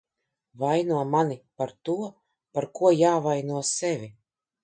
Vaino mani par to, par ko jāvaino sevi.